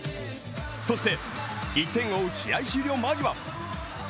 そして１点を追う試合終了間際。